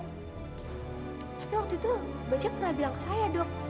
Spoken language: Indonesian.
tapi waktu itu bocah pernah bilang ke saya dok